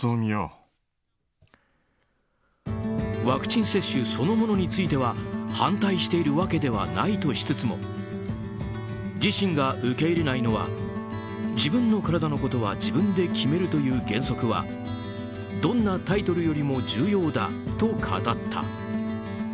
ワクチン接種そのものについては反対しているわけではないとしつつも自身が受け入れないのは自分の体のことは自分で決めるという原則はどんなタイトルよりも重要だと語った。